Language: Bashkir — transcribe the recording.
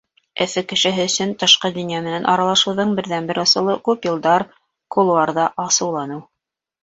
Өфө кешеһе өсөн тышҡы донъя менән аралашыуҙың берҙән-бер ысулы — күп йылдар кулуарҙа асыуланыу.